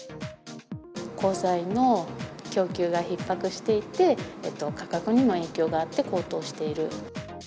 鋼材の供給がひっ迫していて、価格にも影響があって、高騰している。